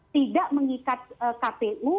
tidak mengikat kpu